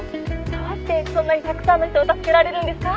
「どうしてそんなにたくさんの人を助けられるんですか？」